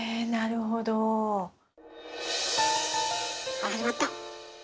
あ始まった。